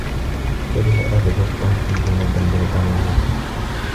كره أهل بوسطن الجنود البريطانيين.